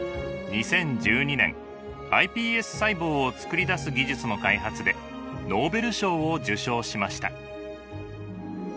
２０１２年ｉＰＳ細胞をつくり出す技術の開発でノーベル賞を受賞しました。